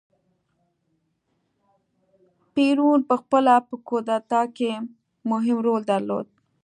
پېرون په خپله په کودتا کې مهم رول درلود.